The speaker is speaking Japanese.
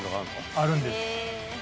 あるんです